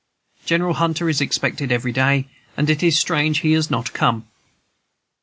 General Hunter is expected every day, and it is strange he has not come."